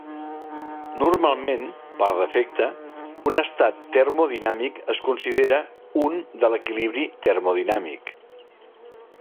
Normalment, per defecte, un estat termodinàmic es considera un de l'equilibri termodinàmic.